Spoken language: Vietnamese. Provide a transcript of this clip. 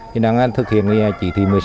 thì đang thực hiện chỉ thị một mươi sáu